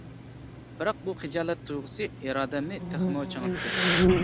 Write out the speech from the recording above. بىراق بۇ خىجالەت تۇيغۇسى ئىرادەمنى تېخىمۇ چىڭىتتى.